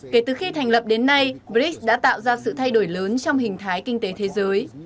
kể từ khi thành lập đến nay brics đã tạo ra sự thay đổi lớn trong hình thái kinh tế thế giới